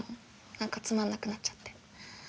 何かつまんなくなっちゃって。